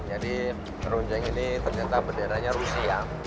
jadi runzeng ini ternyata berderanya rusia